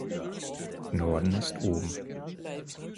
Norden ist oben.